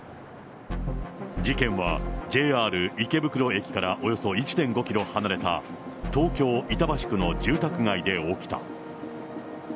事件はＪＲ池袋駅からおよそ１．５キロ離れた、東京・板橋区の住宅街で起きた。